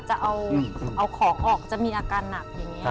จะเอาของออกจะมีอาการหนักอย่างนี้